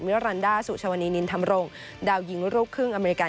มิลลันด้าสุชวนีนินธรรมรงค์ดาวหญิงรูปครึ่งอเมริกา